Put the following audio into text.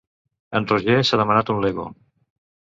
En Roger s'ha demanat un lego.